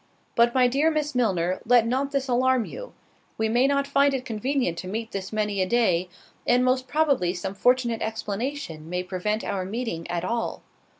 But my dear Miss Milner, let not this alarm you; we may not find it convenient to meet this many a day; and most probably some fortunate explanation may prevent our meeting at all.